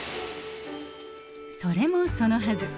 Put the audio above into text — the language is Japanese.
それもそのはず。